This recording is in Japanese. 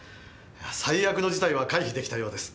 最悪の事態は回避できたようです。